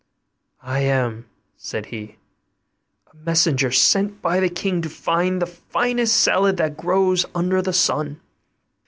'I am,' said he, 'a messenger sent by the king to find the finest salad that grows under the sun.